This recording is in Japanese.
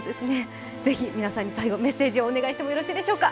ぜひ最後メッセージをお願いしてもよろしいでしょうか。